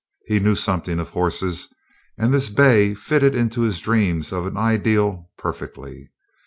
He knew something of horses, and this bay fitted into his dreams of an ideal perfectly.